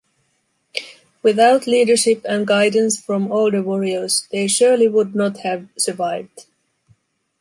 Without leadership and guidance from older warriors they surely would not have survived.